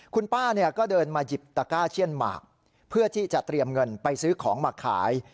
คุณป้าเนี่ยก็เดินมาหยิบตะก้าเชี่ยนหมากเพื่อที่จะเตรียมเงินไปซื้อของมาขาย